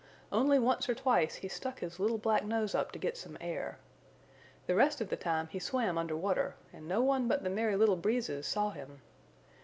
Only once or twice he stuck his little black nose up to get some air. The rest of the time he swam under water and no one but the Merry Little Breezes saw him.